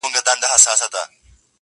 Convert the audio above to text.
د خوشحال خان د مرغلرو قدر څه پیژني!!